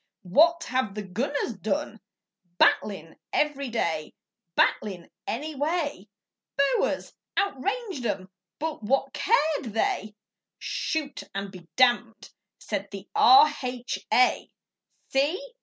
What have the gunners done Battlin' every day, Battlin' any way. Boers outranged 'em, but what cared they? 'Shoot and be damned,' said the R.H.A.! See!